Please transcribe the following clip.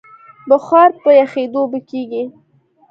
بخار په یخېدو اوبه کېږي.